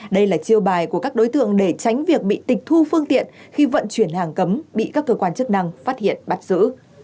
đây là chiêu bài của các đối tượng để tránh việc bị tịch thu phương tiện khi vận chuyển hàng cấm bị các cơ quan chức năng phát hiện bắt giữ